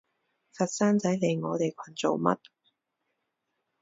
佛山仔嚟我哋群做乜？